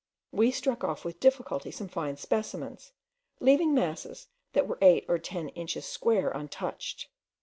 We struck off with difficulty some fine specimens, leaving masses that were eight or ten inches square untouched.